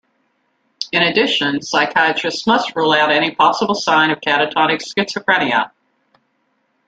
In addition, psychiatrists must rule out any possible sign of catatonic schizophrenia.